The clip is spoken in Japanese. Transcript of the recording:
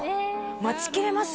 待ちきれます？